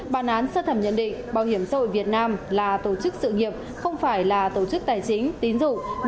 bàn án sơ thẩm nhận định bảo hiểm sâu ở việt nam là tổ chức sự nghiệp không phải là tổ chức tài chính tín dụng